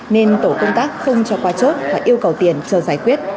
nên tổ công tác không cho qua chốt và yêu cầu tiền chờ giải quyết